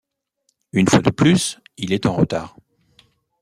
Une fois de plus, il est en retard.